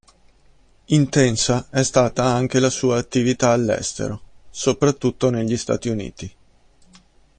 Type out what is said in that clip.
Intensa è stata anche la sua attività all'estero, soprattutto negli Stati Uniti.